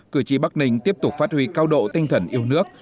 cử tri bắc ninh tiếp tục phát huy cao độ tinh thần yêu nước